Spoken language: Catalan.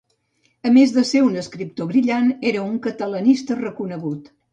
A més des ser un escriptor brillant, era un catalanista reconegut.